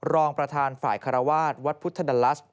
รองประธานฝ่ายคารวาสวัดพุทธดลัส